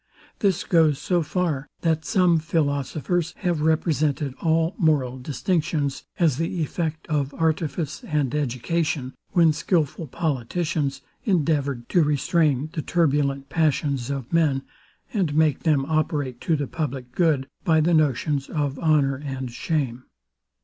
This goes so far, that some philosophers have represented all moral distinctions as the effect of artifice and education, when skilful politicians endeavoured to restrain the turbulent passions of men, and make them operate to the public good, by the notions of honour and shame.